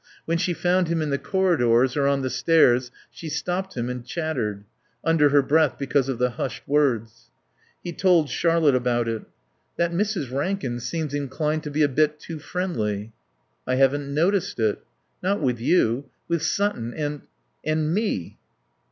When she found him in the corridors or on the stairs she stopped him and chattered; under her breath because of the hushed wards. He told Charlotte about it. "That Mrs. Rankin seems inclined to be a bit too friendly." "I haven't noticed it." "Not with you. With Sutton and and me."